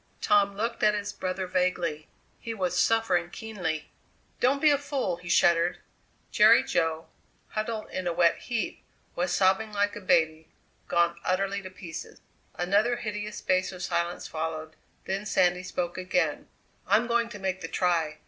Tom looked at his brother vaguely; he was suffering keenly: "Don't be a fool!" he shuddered. Jerry Jo, huddled in a wet heap, was sobbing like a baby gone utterly to pieces. Another hideous space of silence followed, then Sandy spoke again: "I'm going to make the try.